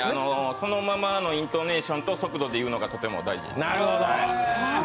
そのままのイントネーションと速度で言うのが大事です。